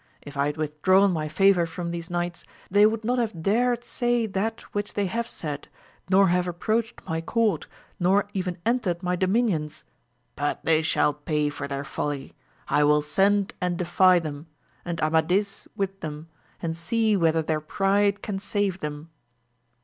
If I had with drawn my favour from these knights, they would not have dared say that which they have said, nor have approached my court, nor even entered my domini<His. But they shall pay for their folly ! I will send and defy them, and Amadis with them, and see whether their pride can save them.